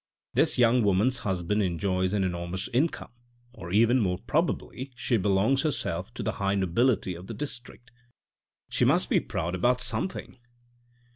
This young woman's husband enjoys an enormous income, or even more probably, she belongs herself to the high nobility of the district. She must be proud about something."